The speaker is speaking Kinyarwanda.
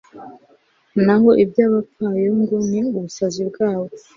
naho iby'abapfayongo ni ubusazi bwabo